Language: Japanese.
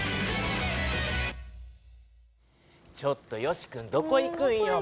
ちょっとよしくんどこ行くんよ